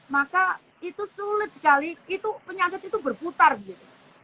maka itu sulit sekali itu penyakit itu berputar gitu